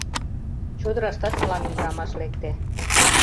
Чодыраштат мылам ӱдырамаш лекте.